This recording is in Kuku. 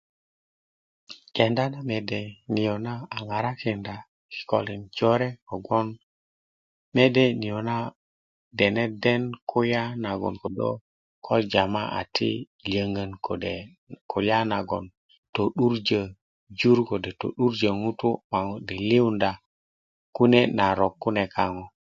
Kenda na mede niyo' na a ŋarakinda yi kikolin jore kogboŋ mede niyo' na deneden kulya nagoŋ ko jama a ti lyöŋön kode' kulya nagoŋ tö'durjö jur kode' to'durjö ŋutu' ma ŋutu' liliyunda kune' narok kune laŋo